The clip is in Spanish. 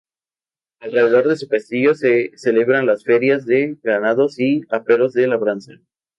Alrededor de su castillo se celebraban las ferias de ganados y aperos de labranza.